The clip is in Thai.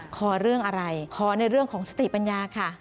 ขอเรื่องอะไรขอในเรื่องของสติปัญญาค่ะ